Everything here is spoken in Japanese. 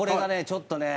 ちょっとね